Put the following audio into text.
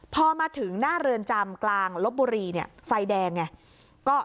พอมาถึงหน้าเรือนจำกลางลบบุรีเนี่ยไฟแดงไง